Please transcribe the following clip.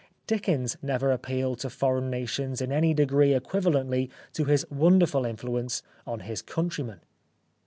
Dickens never appealed to foreign nations in any degree equivalently to his wonderful in fluence on his countrymen.